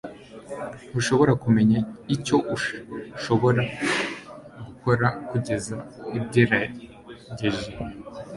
ntushobora kumenya icyo ushobora gukora kugeza ugerageje